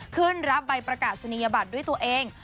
รับใบประกาศนียบัตรด้วยตัวเอง